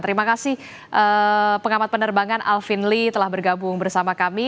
terima kasih pengamat penerbangan alvin lee telah bergabung bersama kami